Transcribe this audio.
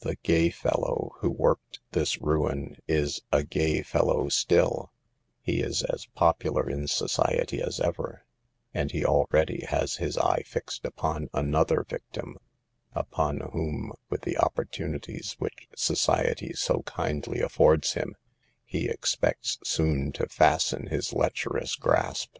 The " gay fellow " who worked this ruin is a " gay fellow " still ; he is as popular in society as ever, and he already has his eye fixed upon another victim, upon whom, with the oppor tunities which society so kindly affords him, he expects soon to fasten his lecherous grasp.